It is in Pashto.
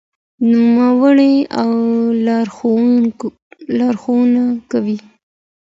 نورمونه لارښوونه کوي.